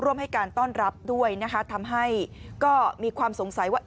ร่วมให้การต้อนรับด้วยทำให้มีความสงสัยว่า